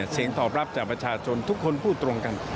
เสียงตอบรับจากประชาชนทุกคนพูดตรงกัน